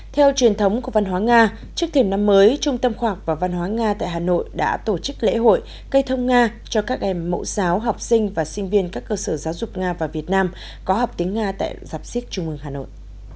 theo truyền thống của văn hóa nga trước thiểm năm mới trung tâm khoa học và văn hóa nga tại hà nội đã tổ chức lễ hội cây thông nga cho các em mẫu giáo học sinh và sinh viên các cơ sở giáo dục nga và việt nam có học tiếng nga tại giáp xích trung ương hà nội